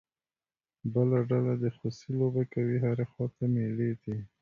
بله ډله د خوسی لوبه کوي، هرې خوا ته مېلې دي.